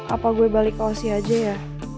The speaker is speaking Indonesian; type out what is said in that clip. apa gue balik ke osi aja ya